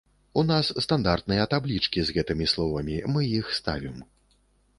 У нас стандартныя таблічкі з гэтымі словамі, мы іх ставім.